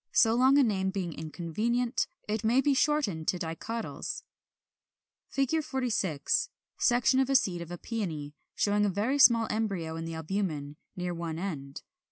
So long a name being inconvenient, it may be shortened into DICOTYLS. [Illustration: Fig. 46. Section of a seed of a Peony, showing a very small embryo in the albumen, near one end.